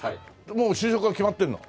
もう就職は決まってるの？